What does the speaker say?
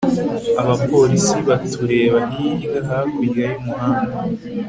abapolisi batureba hirya hakurya y'umuhanda